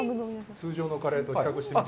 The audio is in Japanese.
通常のカレーと比較してみます？